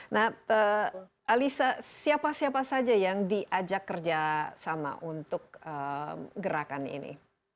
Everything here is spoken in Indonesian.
nah alisa siapa siapa saja yang diajak kerjasama untuk gerakan ini